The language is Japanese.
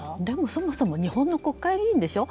そもそも日本の国会議員でしょ。